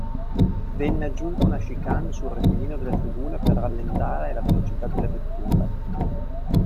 Venne aggiunta una "chicane" sul rettilineo delle tribune per rallentare la velocità delle vetture.